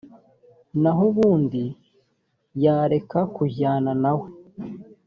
naho ubundi, yareka kujyana nawe.